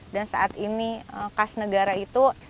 dan saat ini kas negara itu